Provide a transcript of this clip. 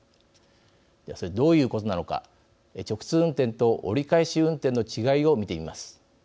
それはどういうことなのか直通運転と折り返し運転の違いを見てみます。